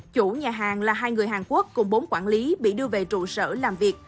chủ nhà hàng là hai người hàn quốc cùng bốn quản lý bị đưa về trụ sở làm việc